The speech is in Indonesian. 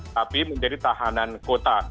tapi menjadi tahanan kota